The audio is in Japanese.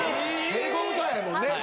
ヘリコプターやもんね。